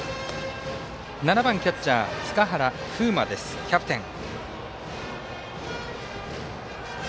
７番キャッチャー塚原歩生真です、キャプテン。